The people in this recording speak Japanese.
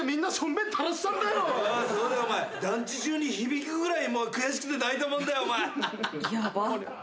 そうだよお前団地中に響くぐらい悔しくて泣いたもんだよお前。ヤバ。